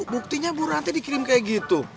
buktinya bu rantai dikirim kayak gitu